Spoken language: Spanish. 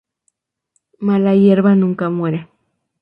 Mala hierba nunca muere